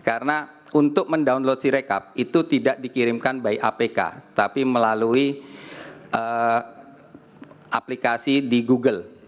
karena untuk mendownload si rekap itu tidak dikirimkan by apk tapi melalui aplikasi di google